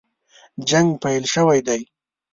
جنګ پیل شوی دی.